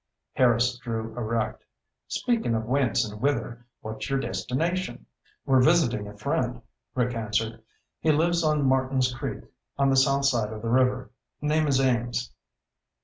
Harris drew erect. "Speakin' of whence and whither, what's your destination?" "We're visiting a friend," Rick answered. "He lives on Martins Creek on the south side of the river. Name is Ames."